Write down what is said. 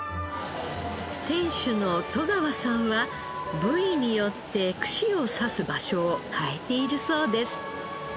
店主の戸川さんは部位によって串を刺す場所を変えているそうです。